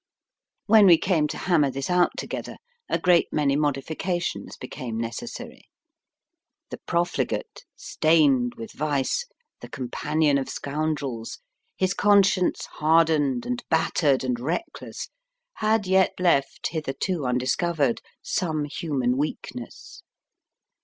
When we came to hammer this out together, a great many modifications became necessary. The profligate, stained with vice, the companion of scoundrels, his conscience hardened and battered and reckless, had yet left, hitherto undiscovered, some human weakness.